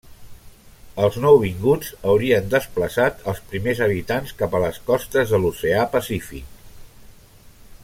Els nouvinguts haurien desplaçat als primers habitants cap a les costes de l'Oceà Pacífic.